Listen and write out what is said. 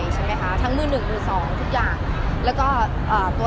ชั้นทั้งดูหนึ่งดูสองทุกอย่างแล้วก็อ่าตัวหลักพี่กันแหลกก็จะเป็น